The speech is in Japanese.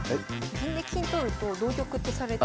銀で金取ると同玉ってされて。